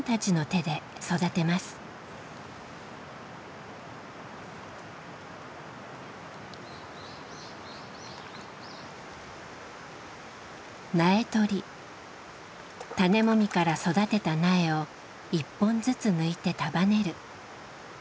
種もみから育てた苗を１本ずつ抜いて束ねる田植えの準備。